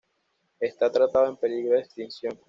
Está tratado en peligro de extinción.